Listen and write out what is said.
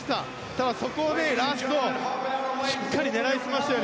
ただ、そこでラストしっかり狙いましたよね。